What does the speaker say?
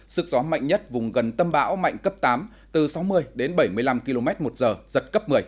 sức gió mạnh nhất vùng gần tâm bão mạnh cấp tám từ sáu mươi đến bảy mươi năm km một giờ giật cấp một mươi